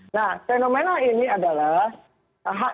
nah fenomena ini adalah